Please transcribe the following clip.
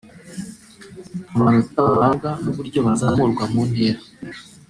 amanota bahabwa n’uburyo bazamurwa mu ntera